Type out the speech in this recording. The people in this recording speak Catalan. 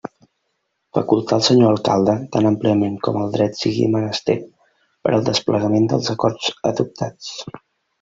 Facultar al senyor Alcalde, tan àmpliament com en dret sigui menester, per al desplegament dels acords adoptats.